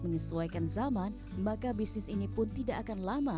menyesuaikan zaman maka bisnis ini pun tidak akan lama